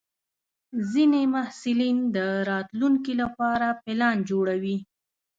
ځینې محصلین د راتلونکي لپاره پلان جوړوي.